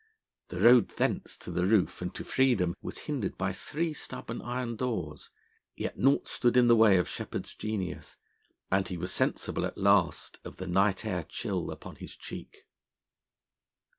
The road thence to the roof and to freedom was hindered by three stubborn iron doors; yet naught stood in the way of Sheppard's genius, and he was sensible, at last, of the night air chill upon his cheek.